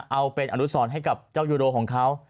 เอาเป็นอนุสรให้กับเจ้ายูโรของเขา